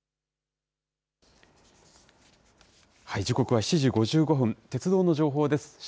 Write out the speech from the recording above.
時刻は７時５５分、鉄道の情報です。